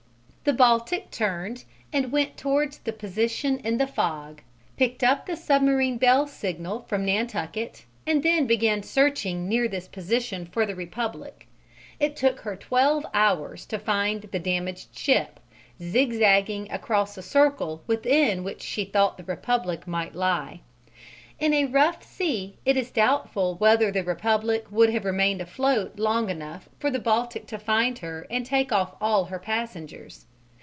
The Baltic turned and went towards the position in the fog, picked up the submarine bell signal from Nantucket, and then began searching near this position for the Republic. It took her twelve hours to find the damaged ship, zigzagging across a circle within which she thought the Republic might lie. In a rough sea it is doubtful whether the Republic would have remained afloat long enough for the Baltic to find her and take off all her passengers.